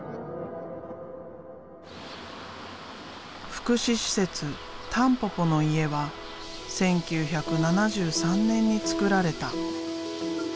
福祉施設「たんぽぽの家」は１９７３年につくられた。